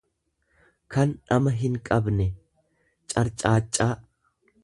kan dhama hinqabne, garcaaccaa.